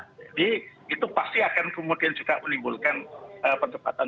jadi itu pasti akan kemudian juga menimbulkan perdebatan